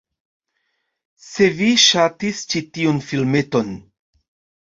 Se vi ŝatis ĉi tiun filmeton